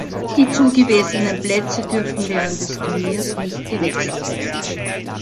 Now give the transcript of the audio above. Die zugewiesenen Plätze dürfen während des Turniers nicht gewechselt werden.